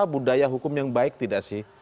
budaya hukum yang baik tidak sih